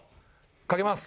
かけます。